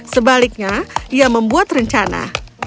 sebaliknya dia membuat rencana